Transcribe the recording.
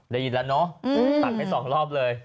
ได้ยินแล้วเนอะตัดให้สองรอบเลย